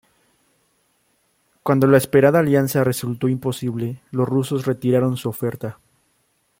Cuando la esperada alianza resultó imposible, los rusos retiraron su oferta.